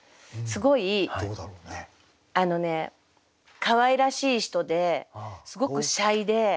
すごいあのねかわいらしい人ですごくシャイで。